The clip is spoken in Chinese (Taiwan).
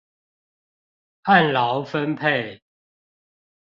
按勞分配